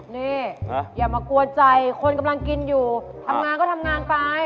นี่อย่ามากลัวใจคนกำลังกินอยู่ทำงานก็ทำงานไป